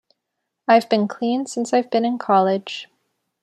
I've been clean since I've been in college.